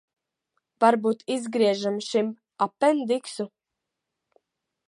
Varbūt izgriežam šim apendiksu?